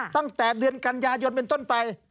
ตั้งแต่เดือนกันยายนเป็นต้นไป